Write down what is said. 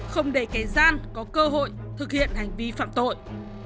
không để kẻ gian có cơ hội thực hiện hành vi phạm tội